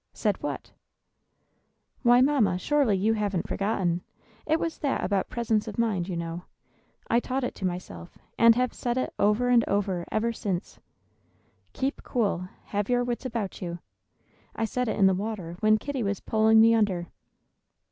"Said what?" "Why, Mamma, surely you haven't forgotten. It was that about presence of mind, you know. I taught it to myself, and have said it over and over ever since, 'Keep cool; have your wits about you.' I said it in the water when Kitty was pulling me under."